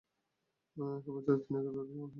একই বছর তিনি একের পর এক কামান দাগলেন বিজ্ঞানের জগতে।